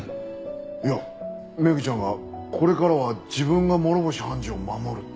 いやメグちゃんがこれからは自分が諸星判事を守るって。